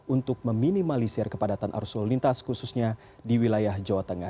untuk meminimalisir kepadatan arus lalu lintas khususnya di wilayah jawa tengah